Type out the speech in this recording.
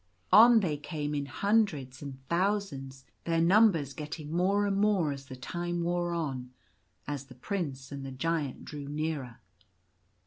On they came, in hundreds and thousands, their num bers getting more and more as the time wore on, and as the Prince and the Giant drew nearer.